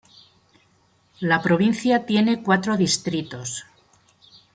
La provincia tiene cuatro distritos.